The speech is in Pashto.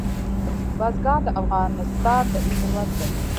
بزګان د افغانستان طبعي ثروت دی.